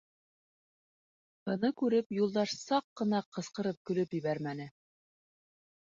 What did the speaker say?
Быны күреп Юлдаш саҡ ҡына ҡысҡырып көлөп ебәрмәне.